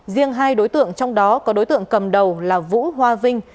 riêng hai đối tượng trong đó có đối tượng cầm đầu là vũ hoa vinh